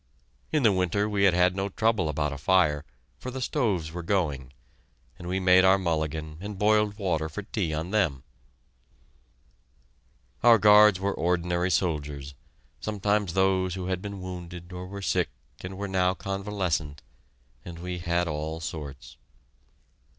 In the winter we had had no trouble about a fire, for the stoves were going, and we made our mulligan and boiled water for tea on them. Our guards were ordinary soldiers sometimes those who had been wounded or were sick and were now convalescent and we had all sorts.